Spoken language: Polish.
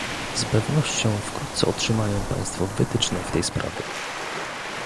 Z pewnością wkrótce otrzymają państwo wytyczne w tej sprawie